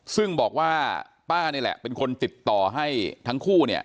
ซึ่งบอกว่าป้านี่แหละเป็นคนติดต่อให้ทั้งคู่เนี่ย